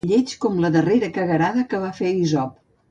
Lleig com la darrera cagarada que va fer Isop.